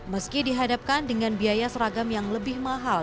meski dihadapkan dengan biaya seragam yang lebih mahal